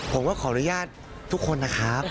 ผมก็ขออนุญาตทุกคนนะครับ